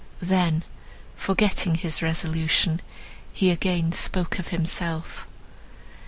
Then, forgetting his resolution, he again spoke of himself.